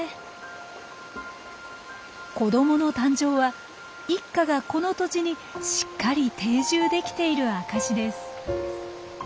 子どもの誕生は一家がこの土地にしっかり定住できている証しです。